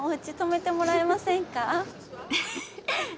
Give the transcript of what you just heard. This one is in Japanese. フフフ。